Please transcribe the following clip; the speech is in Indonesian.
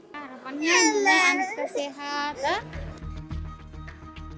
harapannya juga anak kesehatan